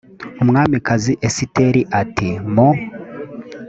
umwamikazi esiteri a ati mu